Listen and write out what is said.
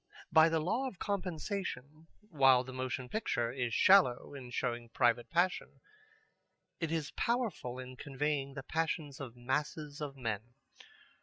By the law of compensation, while the motion picture is shallow in showing private passion, it is powerful in conveying the passions of masses of men.